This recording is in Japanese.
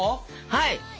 はい！